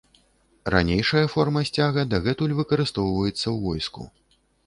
Ранейшая форма сцяга дагэтуль выкарыстоўваецца ў войску.